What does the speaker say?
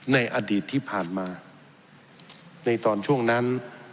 ในอดีตที่ผ่านมาในตอนช่วงนั้น